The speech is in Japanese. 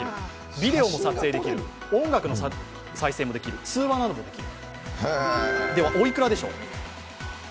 ビデオも撮影できる、音楽の再生もできる、通話などもできる。